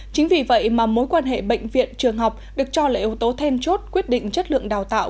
chính vì vậy mà mối quan hệ bệnh viện trường học được cho là yếu tố thêm chốt quyết định chất lượng đào tạo